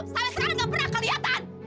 tapi sekarang nggak pernah kelihatan